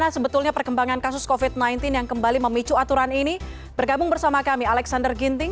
selamat malam salam sehat